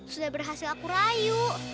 sudah berhasil aku rayu